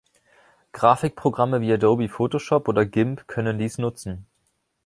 Grafik-Programme wie Adobe Photoshop oder Gimp können dies nutzen.